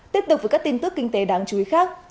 tiếp tục với các tin tức kinh tế đáng chú ý khác